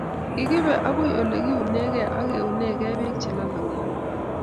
Kikibe agoi Ole kiunekei age unekei Bek che lolongen